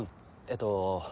えっと